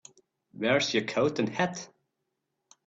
Where's your coat and hat?